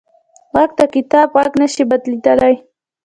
غږ د کتاب غږ نه شي بدلېدلی